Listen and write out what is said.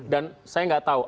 dan saya enggak tahu